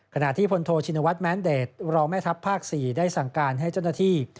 ขณะที่พลโทชินวัฒนแม้นเดชรองแม่ทัพภาค๔ได้สั่งการให้เจ้าหน้าที่